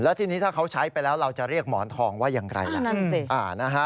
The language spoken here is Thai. ทีนี้ถ้าเขาใช้ไปแล้วเราจะเรียกหมอนทองว่าอย่างไรล่ะ